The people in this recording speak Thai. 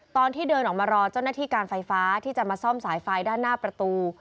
ตอนที่เดินออกมารอเจ้าหน้าที่การไฟฟ้าที่จะมาซ่อมสายไฟด้านหน้าประตู